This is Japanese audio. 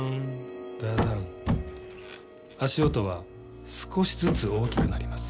足音は少しずつ大きくなります。